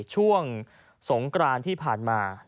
ช่วงสงกรานที่ผ่านมา